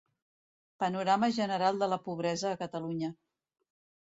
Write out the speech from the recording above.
Panorama general de la pobresa a Catalunya.